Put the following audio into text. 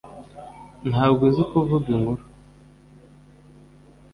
Ntabwo uzi kuvuga inkuru?